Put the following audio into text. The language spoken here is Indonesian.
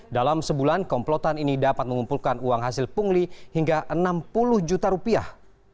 dalam sebulan komplotan ini dapat mengumpulkan uang hasil pungli hingga enam puluh juta rupiah